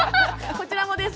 こちらもです。